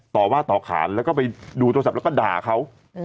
ต่อว่าต่อขานแล้วก็ไปดูโทรศัพท์แล้วก็ด่าเขา